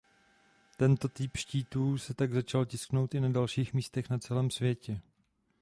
Tento typ štítů se tak začal tisknout i na dalších místech na celém světě.